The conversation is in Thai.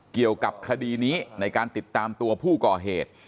เกี่ยวกับคดีนี้ในการติดตามตัวผู้ก่อเหตุ